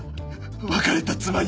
別れた妻に。